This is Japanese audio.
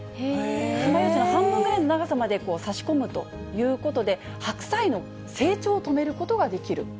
つまようじを半分ぐらいの長さまで刺し込むということで、白菜の成長を止めることができる。